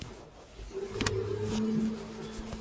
La gente del pueblo aclama su valor cuando sale de la iglesia.